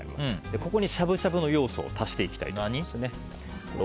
ここに、しゃぶしゃぶの要素を足していきたいと思います。